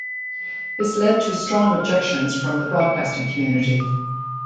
This led to strong objections from the broadcasting community.